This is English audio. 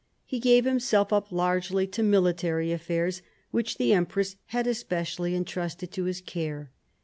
He gave himself up largely to military affairs, which the empress had especially entrusted to his care.